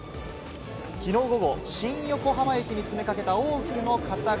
きのう午後、新横浜駅に詰めかけた多くの方々。